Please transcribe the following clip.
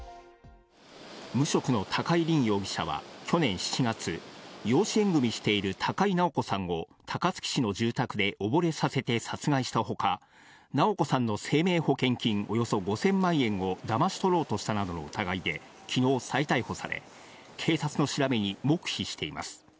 無職の高井凜容疑者は去年７月、養子縁組している高井直子さんを高槻市の住宅で溺れさせて殺害したほか、直子さんの生命保険金およそ５０００万円をだまし取ろうとしたなどの疑いで昨日再逮捕され、警察の調べに黙秘しています。